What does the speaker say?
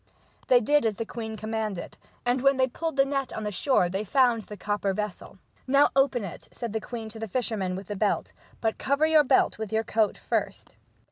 They did as the queen commanded, and when they pulled the net on the shore they found the copper vessel. " Now open it," said the queen to the fisherman with the belt, " but cover your belt with your coat first."